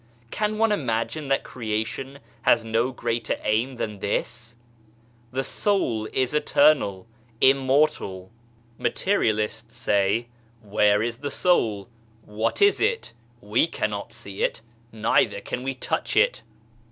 Can one imagine that Creation has no greater aim than this ? The Soul is eternal, immortal. Materialists say, " Where is the soul ? What is it ? We cannot see it, neither can we touch it."